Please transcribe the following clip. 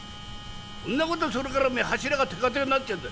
そんなことするからおめえ柱がてかてかになっちゃうんだよ。